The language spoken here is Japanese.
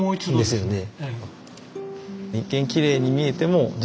ですよね。